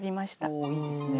おおいいですね。